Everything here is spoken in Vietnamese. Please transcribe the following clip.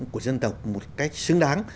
của dân tộc một cách xứng đáng